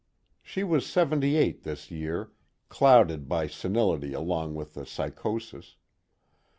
She was seventy eight this year, clouded by senility along with the psychosis.